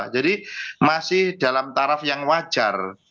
jadi masih dalam taraf yang wajar